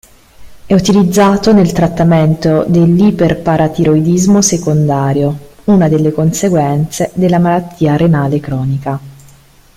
È utilizzato nel trattamento dell'iperparatiroidismo secondario, una delle conseguenze della malattia renale cronica.